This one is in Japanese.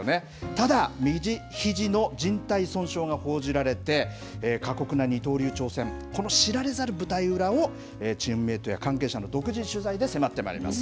ただ右ひじのじん帯損傷が報じられて、過酷な二刀流挑戦、この知られざる舞台裏を、チームメートや関係者の独自取材で迫ってまいります。